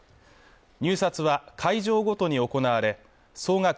入札は会場ごとに行われ総額